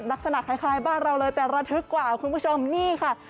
ลักษณะคล้ายบ้านเราเลยแต่ระทึกกว่าคุณผู้ชมนี่ค่ะ